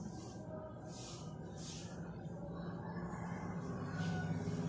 มีเวลาเมื่อเวลาเมื่อเวลาเมื่อเวลา